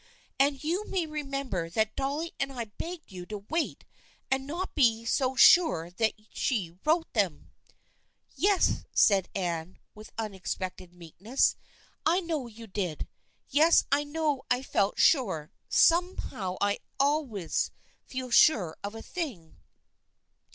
" And you may remember that Dolly and I begged you to wait and not be so sure that she wrote them." " Yes," said Anne, with unexpected meekness, " I know you did. Yes, I know I felt very sure. Somehow I always feel sure of a thing.